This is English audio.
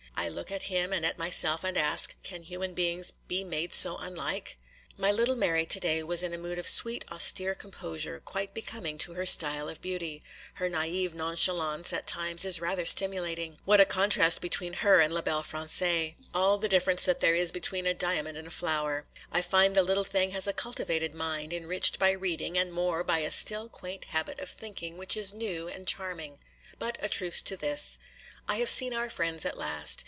I look at him and at myself, and ask, Can human beings be made so unlike? 'My little Mary to day was in a mood of "sweet austere composure" quite becoming to her style of beauty; her naïve nonchalance at times is rather stimulating. What a contrast between her and la belle Française!—all the difference that there is between a diamond and a flower. I find the little thing has a cultivated mind, enriched by reading, and more by a still, quaint habit of thinking, which is new and charming. But a truce to this. 'I have seen our friends at last.